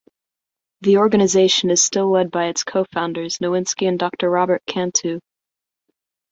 The organization is still led by its co-founders, Nowinksi and Doctor Robert Cantu.